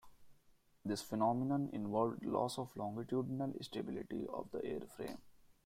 This phenomenon involved a loss of longitudinal stability of the airframe.